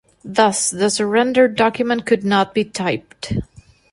Thus the surrender document could not be typed.